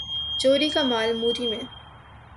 چوری کا مال موری میں